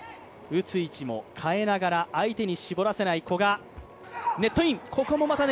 打つ位置も変えながら、相手に絞らせない古賀。